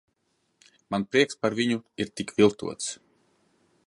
Mans prieks par viņu ir tik viltots.